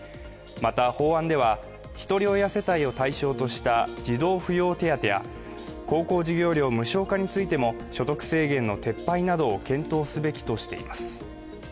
また、法案ではひとり親世帯を対象とした児童扶養手当や高校授業料無償化についても、所得制限の撤廃などを検討すべきとしています。